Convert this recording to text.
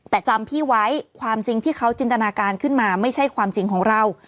แต่จำพี่ไว้ความจริงที่เขาจินตนาการขึ้นมาไม่ใช่ความจริงของเรา